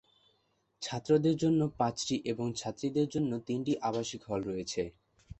ছাত্রদের জন্য পাঁচটি এবং ছাত্রীদের জন্য তিনটি আবাসিক হল রয়েছে।